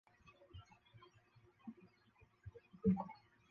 越南国首相阮文心之子。